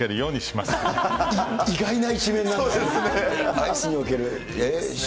アイスにおける。